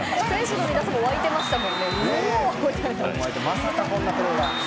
まさかこんなプレーがと。